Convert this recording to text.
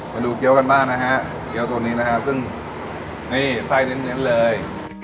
ไว้ดูเก้ากันมานะฮะเกี๊ยวตัวนี้นะฮะซึ่งนี่ไส้เน้นเน้นเลย